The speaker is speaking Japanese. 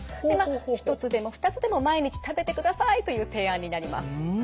でまあ１つでも２つでも毎日食べてくださいという提案になります。